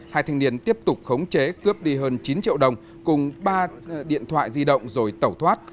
hai thanh niên tiếp tục khống chế cướp đi hơn chín triệu đồng cùng ba điện thoại di động rồi tẩu thoát